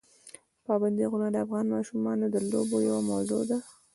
پابندي غرونه د افغان ماشومانو د لوبو یوه موضوع ده.